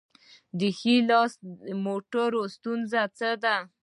د ښي لاس موټرو ستونزه څه ده؟